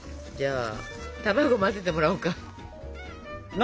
じゃあ卵混ぜてもらおうか。